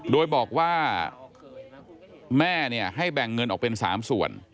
โดยบอกว่าแม่ให้แบ่งเงินออกเป็น๓ส่วน